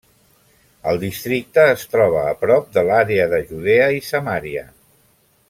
El districte es troba a prop de l'Àrea de Judea i Samaria.